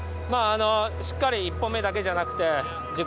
しっかり１本目だけじゃなくて自己